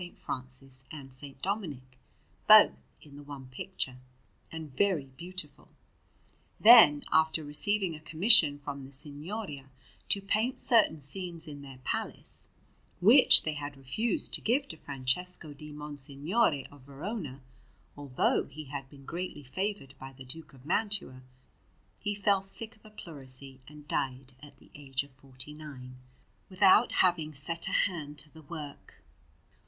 Francis and S. Dominic, both in the one picture, and very beautiful. Then, after receiving a commission from the Signoria to paint certain scenes in their Palace (which they had refused to give to Francesco di Monsignore of Verona, although he had been greatly favoured by the Duke of Mantua), he fell sick of a pleurisy and died at the age of forty nine, without having set a hand to the work.